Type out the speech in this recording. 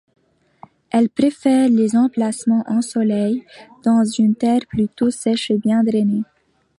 Elle préfère les emplacements ensoleillés dans une terre plutôt sèche et bien drainée.